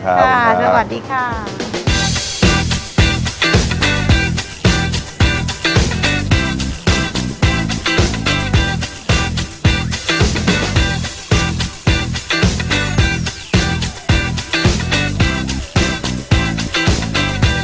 ค่ะสวัสดีครับ